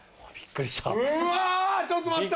うわちょっと待った！